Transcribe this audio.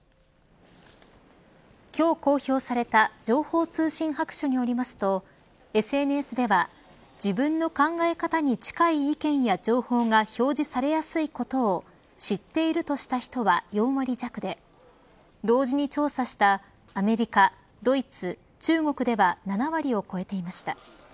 今日公表された情報通信白書によりますとＳＮＳでは自分の考え方に近い意見や情報が表示されやすいことを知っているとした人は４割弱で同時に調査したアメリカ、ドイツ中国では７割を超えていました。